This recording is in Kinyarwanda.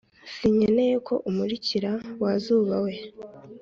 Singikeneye ko umurikira wazuba we